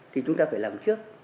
thì chúng ta phải làm trước